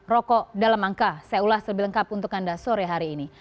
rokok dalam angka saya ulas lebih lengkap untuk anda sore hari ini